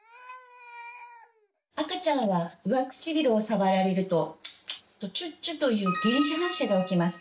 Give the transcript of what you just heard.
赤ちゃんは上唇を触られるとチュッチュという「原始反射」が起きます。